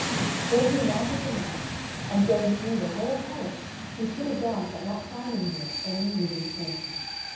Then he mounted the ladder, and going through the whole palace, he stood aghast at not finding there any living person.